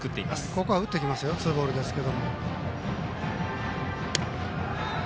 ここは打ってきますよツーボールですが。